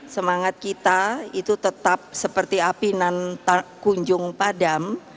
semangat kita itu tetap seperti apinan tak kunjung padam